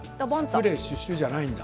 スプレーじゃないんだ。